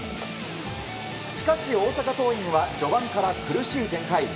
しかし、大阪桐蔭は序盤から苦しい展開。